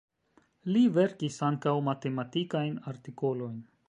Li verkis ankaŭ matematikajn artikolojn.